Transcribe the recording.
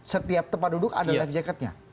setiap tempat duduk ada life jacket nya